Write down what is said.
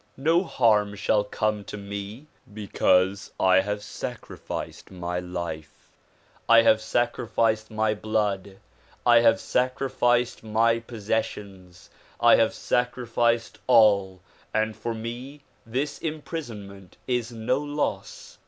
No harm shall come to me because I have sacrificed my life, I have sacrificed my blood, I have sacrificed my possessions, I have sacri ficed all and for me this imprisonment is no loss."